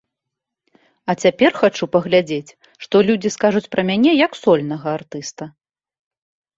А цяпер хачу паглядзець, што людзі скажуць пра мяне як сольнага артыста.